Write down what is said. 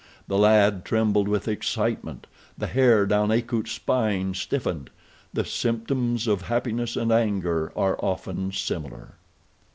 The lad trembled with excitement. The hair down Akut's spine stiffened—the symptoms of happiness and anger are often similar.